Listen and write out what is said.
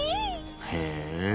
へえ。